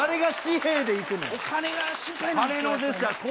お金が心配なんですよ。